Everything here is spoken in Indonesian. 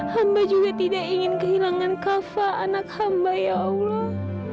hamba juga tidak ingin kehilangan kafa anak hamba ya allah